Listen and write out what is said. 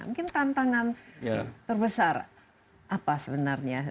mungkin tantangan terbesar apa sebenarnya